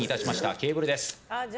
ケーブルです。